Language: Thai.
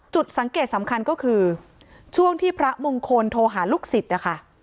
จุดสังเกตสำคัญก็คือช่วงที่พระมงคลโทรหาลูกศิษย์นะคะ